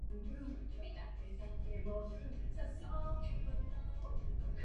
Most of the forest is in California, but it includes about in western Nevada.